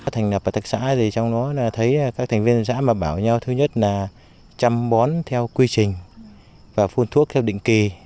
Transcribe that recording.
thành lập hợp tác xã thì trong đó thấy các thành viên hợp tác xã mà bảo nhau thứ nhất là chăm bón theo quy trình và phun thuốc theo định kỳ